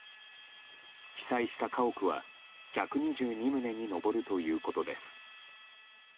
被災した家屋は１２２棟に上るということです。